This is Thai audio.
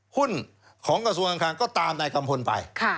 หุ้นของกระทรวงการคลังก็ตามนายกัมพลไป